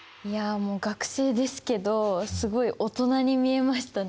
いやもう学生ですけどすごい大人に見えましたね。